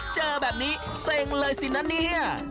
เจอแบบนี้เซ็งเลยสินะเนี่ย